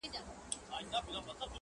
لا خو زما او د قاضي یوشان رتبه ده.